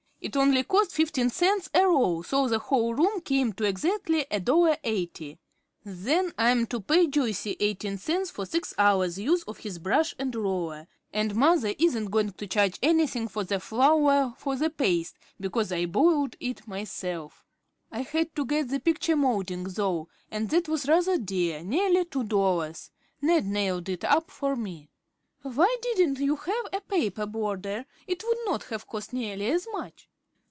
"It only cost fifteen cents a roll, so the whole room came to exactly a dollar eighty. Then I am to pay Joyce eighteen cents for six hours' use of his brush and roller, and mother isn't going to charge anything for the flour for the paste, because I boiled it myself. I had to get the picture moulding, though, and that was rather dear, nearly two dollars. Ned nailed it up for me." "Why didn't you have a paper border; it would not have cost nearly as much?"